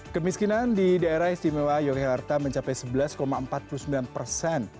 kemiskinan di daerah istimewa yogyakarta mencapai sebelas empat puluh sembilan persen